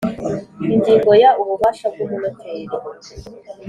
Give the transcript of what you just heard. Ingingo ya ububasha bw umunoteri